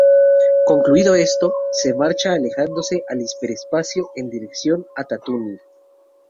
Concluido esto, se marcha alejándose al hiperespacio en dirección a Tatooine.